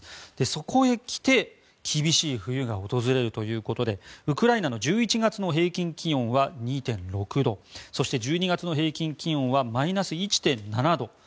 そこへ来て厳しい冬が訪れるということでウクライナの１１月の平均気温は２．６度そして１２月の平均気温はマイナス１．７度。